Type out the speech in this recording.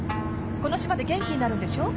この島で元気になるんでしょ？